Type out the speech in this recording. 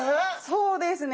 そうですね。